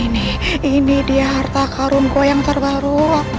ini nih ini dia harta karun gue yang terbaru